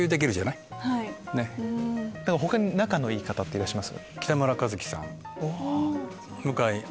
他に仲のいい方っていらっしゃいます？